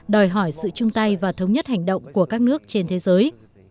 đòi hỏi sự chung tay và thống nhất hành động của các nước trên thế giới